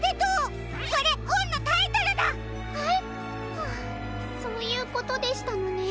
はあそういうことでしたのね。